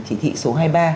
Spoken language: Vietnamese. chỉ thị số hai mươi ba